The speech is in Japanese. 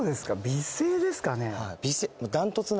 美声ですかね？